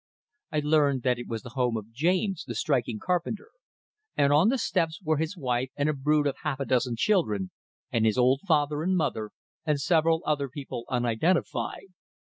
I learned that it was the home of James, the striking carpenter, and on the steps were his wife and a brood of half a dozen children, and his old father and mother, and several other people unidentified.